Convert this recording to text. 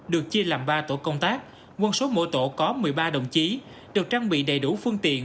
được chia làm ba tổ công tác quân số mỗi tổ có một mươi ba đồng chí được trang bị đầy đủ phương tiện